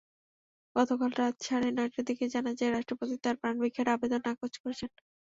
গতকাল রাত সাড়ে নয়টার দিকে জানা যায়, রাষ্ট্রপতি তাঁদের প্রাণভিক্ষার আবেদন নাকচ করেছেন।